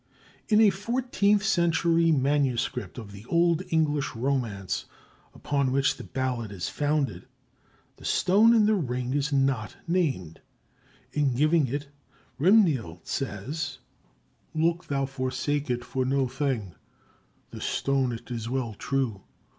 In a fourteenth century MS. of the Old English romance upon which the ballad is founded, the stone in the ring is not named; in giving it Rimnild says: Loke thou forsake it for no thing; The ston it is well trewe.